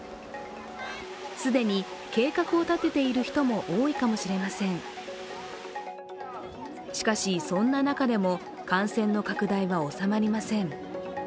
既に計画を立てている人も多いかもしれませんしかしそんな中でも感染の拡大は収まりません。